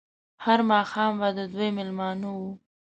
هر ماښام به د دوی مېلمانه وو.